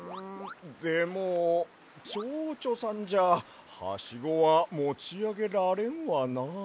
でもちょうちょさんじゃハシゴはもちあげられんわな。